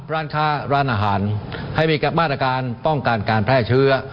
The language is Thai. ร้านค้าร้านอาหารให้มีมาตรการป้องกันการแพร่เชื้อ